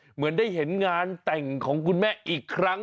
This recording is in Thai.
เหมือนได้เห็นงานแต่งของคุณแม่อีกครั้ง